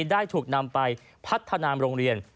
ได้ถูกนำไปพัฒนาโรงเรียน